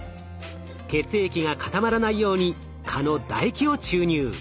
血液が固まらないように蚊のだ液を注入。